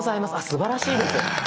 すばらしいです。